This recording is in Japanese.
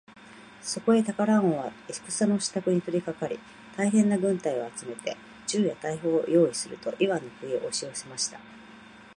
そこでタラカン王は戦のしたくに取りかかり、大へんな軍隊を集めて、銃や大砲をよういすると、イワンの国へおしよせました。